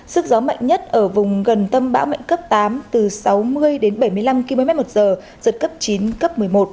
sức gió mạnh nhất ở vùng gần tâm bão mạnh cấp tám từ sáu mươi đến bảy mươi năm kmh giật cấp chín cấp một mươi một